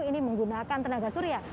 ini menggunakan tenaga surya